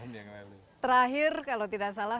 pembicara delapan belas terakhir kalau tidak salah